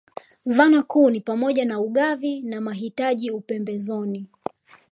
Dhana kuu ni pamoja na ugavi na mahitaji upembezoni